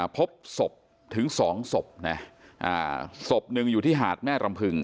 พบศพถึง๒ศพนะศพหนึ่งอยู่ที่หาดแม่รำพึง